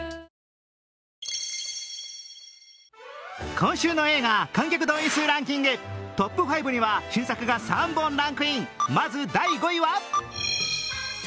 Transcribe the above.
今週の映画観客動員数ランキング、トップ５には新作が３本ランクイン。